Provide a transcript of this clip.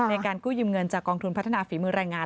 ในการกู้ยืมเงินจากกองทุนพัฒนาฝีมือแรงงาน